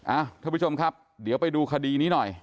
ท่านผู้ชมครับเดี๋ยวไปดูคดีนี้หน่อย